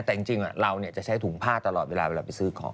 แต่จริงเราจะใช้ถุงผ้าตลอดเวลาเวลาไปซื้อของ